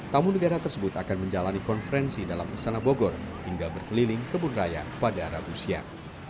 tamu negara tersebut akan menjalani konferensi dalam istana bogor hingga berkeliling kebun raya pada rabu siang